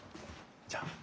じゃあ。